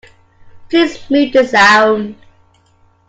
Please mute the sound.